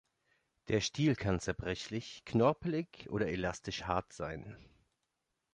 Der Stiel kann zerbrechlich, knorpelig oder elastisch-hart sein.